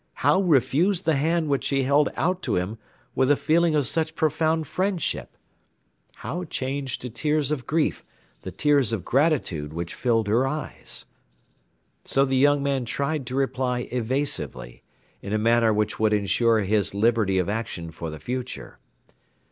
How refuse the hand which she held out to him with a feeling of such profound friendship? How change to tears of grief the tears of gratitude which filled her eyes? So the young man tried to reply evasively, in a manner which would ensure his liberty of action for the future.